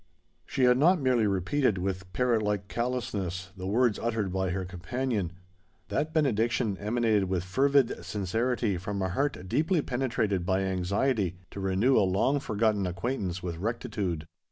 She had not merely repeated, with parrot like callousness, the words uttered by her companion: that benediction emanated with fervid sincerity from a heart deeply penetrated by anxiety to renew a long forgotten acquaintance with rectitude.